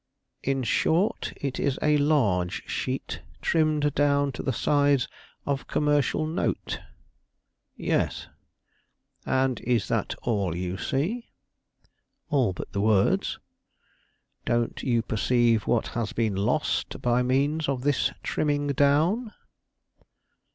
"In short, it is a large sheet, trimmed down to the size of commercial note?" "Yes." "And is that all you see?" "All but the words." "Don't you perceive what has been lost by means of this trimming down?"